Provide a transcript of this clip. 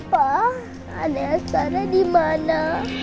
pa adik askara di mana